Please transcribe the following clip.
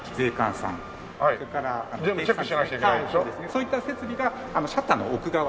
そういった設備がシャッターの奥側。